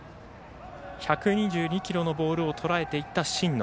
１２２キロのボールをとらえていった新野。